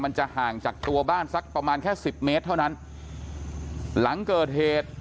มันจะห่างจากตัวบ้านสักประมาณแค่สิบเมตรเท่านั้นหลังเกิดเหตุ